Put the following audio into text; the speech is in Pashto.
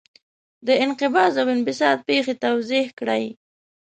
د انقباض او انبساط پېښې توضیح کړئ.